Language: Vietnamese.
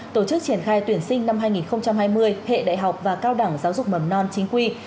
tổ chức triển khai tuyển sinh năm hai nghìn hai mươi hệ đại học và cao đẳng giáo dục mầm non chính quy